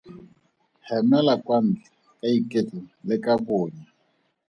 Hemela kwa ntle ka iketlo le ka bonya.